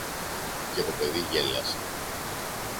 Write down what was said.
και το παιδί γέλασε.